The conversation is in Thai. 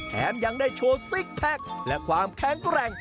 แถมยังได้โชว์ซิกแพคและความแข็งแกร่ง